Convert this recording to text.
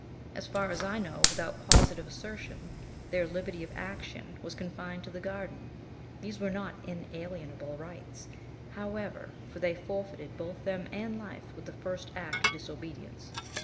As far as I know without positive assertion, their liberty of action was confined to the garden. These were not 'inalienable rights,' however, for they forfeited both them and life with the first act of disobedience.